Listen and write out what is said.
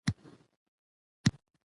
د خوشحالۍ څېړنې دا څرګندوي.